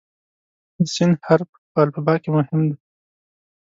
د "س" حرف په الفبا کې مهم دی.